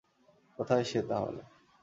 কোথায় সে, তাহলে?